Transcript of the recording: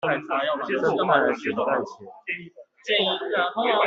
生不帶來，死不帶錢